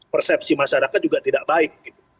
konsepsi masyarakat juga tidak baik gitu